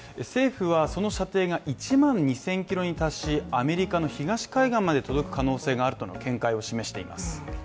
政府はその射程が１万２０００ｋｍに達しアメリカの東海岸まで届く可能性があるとの見解を示しています。